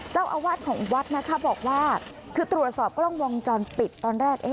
เจ้าอาวาสของวัดนะคะบอกว่าคือตรวจสอบกล้องวงจรปิดตอนแรก